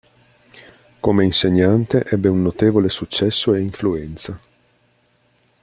Come insegnante ebbe un notevole successo e influenza.